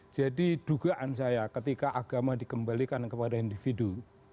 jadi dugaan saya ketika agama dikembalikan kepada individu